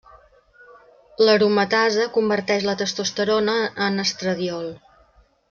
L'aromatasa converteix la testosterona en estradiol.